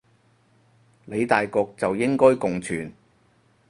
理大局就應該共存